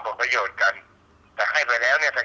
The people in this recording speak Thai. คุณพ่อได้จดหมายมาที่บ้าน